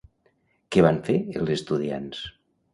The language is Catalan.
Què van fer els estudiants?